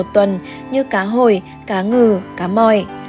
một tuần như cá hồi cá ngừ cá mòi